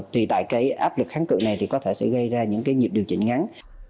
tùy tại áp lực kháng cự này có thể sẽ gây ra những nhiệm điều chỉnh ngắn